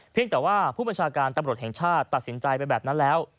แต่ว่าผู้บัญชาการตำรวจแห่งชาติตัดสินใจไปแบบนั้นแล้ว